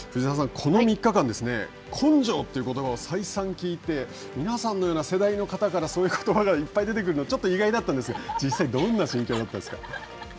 この３日間根性ということばを再三聞いて皆さんのような世代の方からそういうことばがいっぱい出てくるのがちょっと意外だったんですが実際、どんな心境だったですか。